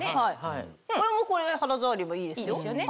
これもこれで肌触りがいいですよ。